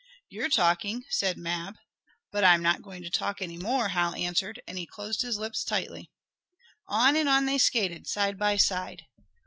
"You're talking," said Mab. "But I'm not going to talk any more," Hal answered, and he closed his lips tightly. On and on they skated, side by side.